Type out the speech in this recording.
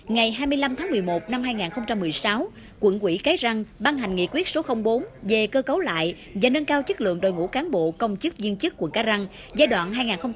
ngày hai mươi năm tháng một mươi một năm hai nghìn một mươi sáu quận quỹ cái răng ban hành nghị quyết số bốn về cơ cấu lại và nâng cao chất lượng đội ngũ cán bộ công chức viên chức quận cái răng giai đoạn hai nghìn một mươi sáu hai nghìn hai mươi